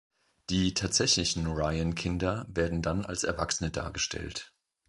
Die tatsächlichen Ryan-Kinder werden dann als Erwachsene dargestellt.